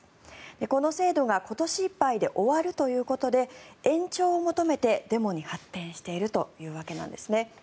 この制度が今年いっぱいで終わるということで延長を求めてデモに発展しているわけです。